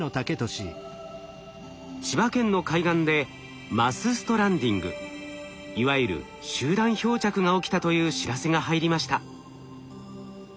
千葉県の海岸でマスストランディングいわゆる集団漂着が起きたという知らせが入りました。